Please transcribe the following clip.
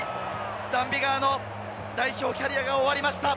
ダン・ビガーの代表キャリアが終わりました。